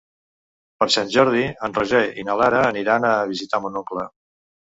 Per Sant Jordi en Roger i na Lara aniran a visitar mon oncle.